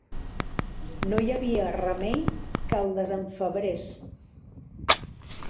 No hi havia remei que el desenfebrés.